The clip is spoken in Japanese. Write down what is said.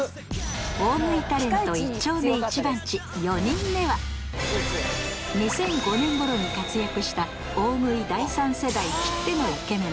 大食いタレント一丁目一番地４人目は２００５年頃に活躍した大食い第３世代きってのイケメン